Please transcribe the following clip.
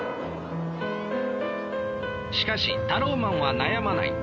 しかしタローマンは悩まない。